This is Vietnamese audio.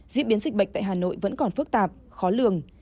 diễn biến dịch bệnh tại hà nội vẫn còn phức tạp khó lường